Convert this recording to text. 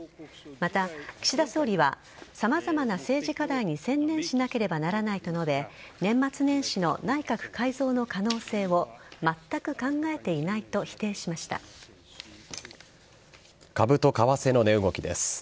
また、岸田総理は様々な政治課題に専念しなければならないと述べ年末年始の内閣改造の可能性をまったく考えていないと株と為替の値動きです。